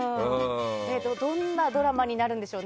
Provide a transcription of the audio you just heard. どんなドラマになるんでしょうね。